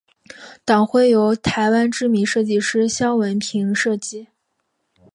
党徽由台湾知名设计师萧文平设计。